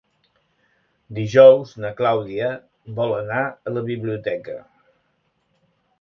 Dijous na Clàudia vol anar a la biblioteca.